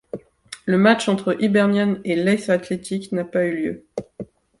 Le match entre Hibernian et Leith Athletic n'a pas eu lieu.